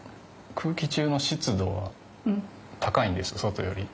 空気中の湿度は高いんです外より。